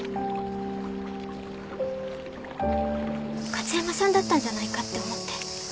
加津山さんだったんじゃないかって思って。